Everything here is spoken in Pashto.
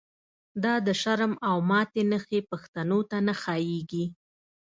دا د شرم او ماتی نښی، پښتنو ته نه ښا ييږی